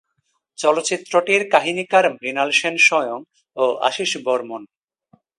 চলচ্চিত্রটির কাহিনীকার মৃণাল সেন স্বয়ং ও আশীষ বর্মন।